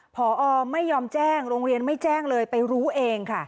พออยยไม่ยอมแจ้ง